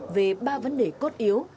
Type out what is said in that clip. về ba vấn đề cốt yếu